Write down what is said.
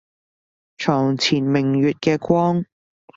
床前明月嘅光